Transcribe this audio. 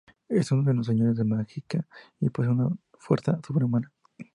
Es uno de los Señores de la Mágica y posee una fuerza sobrehumana.